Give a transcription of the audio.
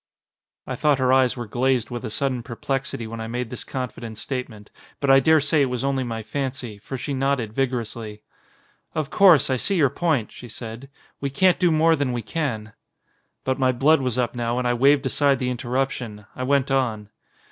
I thought her eyes were glazed with a sudden perplexity when I made this confident statement, but I daresay it was only my fancy, for she nodded vigorously. "Of course, I see your point," she said. "We can't do more than we can." But my blood was up now and I waved aside the interruption. I went on.